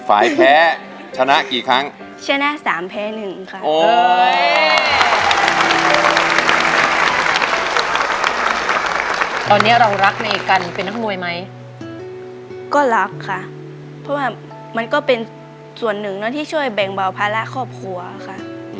อันนี้เรารักในกันเป็นนักมวยมั้ยก็รักค่ะเพราะว่ามันก็เป็นส่วนหนึ่งนะที่ช่วยแบ่งเบาภาระครอบครัวค่ะ